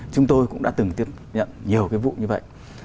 chúng tôi cũng đã từng tiếp nhận nhiều cái vụ như vậy